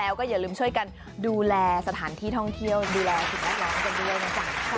แล้วก็อย่าลืมช่วยกันดูแลสถานที่ท่องเที่ยวดูแลสิ่งแวดล้อมกันด้วยนะจ๊ะ